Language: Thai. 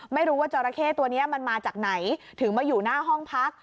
ไม่รู้ว่าจราเข้ตัวนี้มันมาจากไหนถึงมาอยู่หน้าห้องพัก